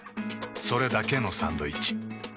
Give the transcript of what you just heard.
それだけのサンドイッチ。